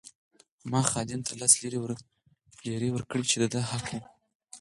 ما خادم ته لس لیرې ورکړې چې د ده حق وو.